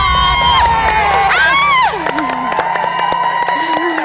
เร็ว